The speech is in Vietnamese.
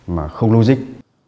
mà không logic